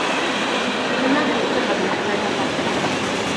Dyma restr o ddinasoedd Albania.